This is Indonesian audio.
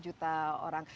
lima puluh juta orang